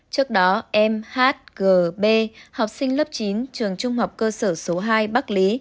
trước đó em h g b học sinh lớp chín trường trung học cơ sở số hai bắc lý